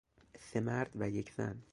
سه مرد و یک زن